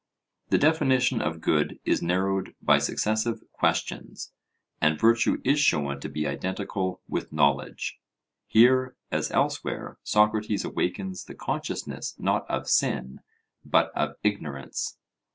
The definition of good is narrowed by successive questions, and virtue is shown to be identical with knowledge. Here, as elsewhere, Socrates awakens the consciousness not of sin but of ignorance.